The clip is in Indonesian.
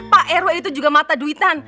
pak rw itu juga mata duitan